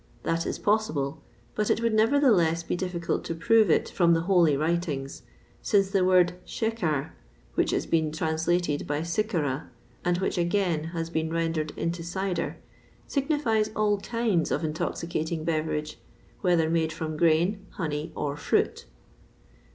That is possible, but it would, nevertheless, be difficult to prove it from the holy writings, since the word schecar, which has been translated by sicera, and which, again, has been rendered into cider, signifies all kinds of intoxicating beverage, whether made from grain, honey, or fruit.